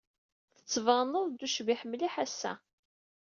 Tettbaned-d ucbiḥ mliḥ ass-a.